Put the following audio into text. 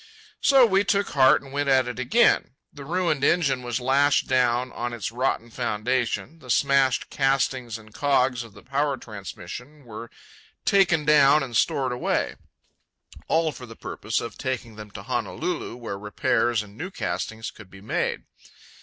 So we took heart and went at it again. The ruined engine was lashed down on its rotten foundation; the smashed castings and cogs of the power transmission were taken down and stored away—all for the purpose of taking them to Honolulu where repairs and new castings could be made.